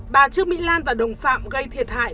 bà trương mỹ lan và đồng phạm gây thiệt hại